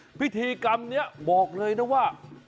จากปี๒๕๖๕พิธีกรรมนี้บอกเลยนะว่า